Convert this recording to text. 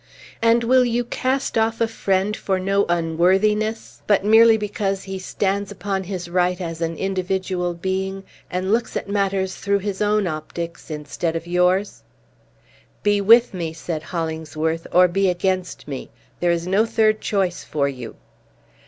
And will you cast off a friend for no unworthiness, but merely because he stands upon his right as an individual being, and looks at matters through his own optics, instead of yours?" "Be with me," said Hollingsworth, "or be against me! There is no third choice for you."